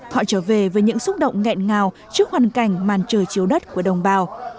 họ trở về với những xúc động nghẹn ngào trước hoàn cảnh màn trời chiếu đất của đồng bào